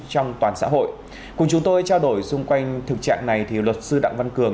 trong toàn xã hội cùng chúng tôi trao đổi xung quanh thực trạng này thì luật sư đặng văn cường